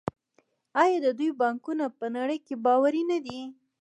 آیا د دوی بانکونه په نړۍ کې باوري نه دي؟